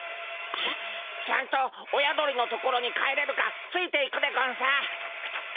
ちゃんと親鳥の所に帰れるかついていくでゴンス。